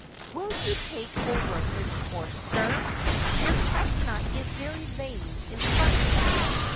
" Will you take over his horse, sir ? Your chestnut is very lame in front."